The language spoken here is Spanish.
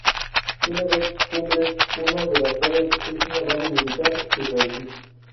Tiene dos cumbres, una de las cuales es una base militar israelí.